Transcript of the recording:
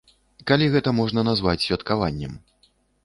Калі гэта можна назваць святкаваннем.